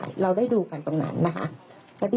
ไม่เคยรู้มาตอนค่ะคุณโบกังวลไหมครับ